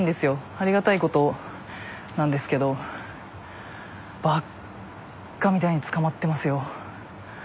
ありがたいことなんですけどバカみたいに捕まってますよ。